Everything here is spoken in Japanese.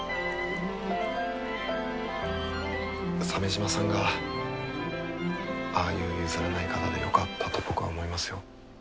鮫島さんがああいう譲らない方でよかったと僕は思いますよ。